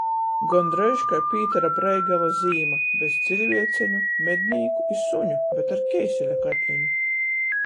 Gondreiž kai Pītera Breigela zīma. Bez ciļvieceņu, mednīku i suņu, bet ar keiseļa katleņu.